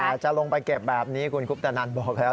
จะลงไปเก็บแบบนี้คุณคุปตนันบอกแล้ว